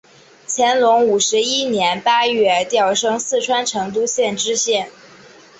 乾隆五十一年八月调升四川成都县知县。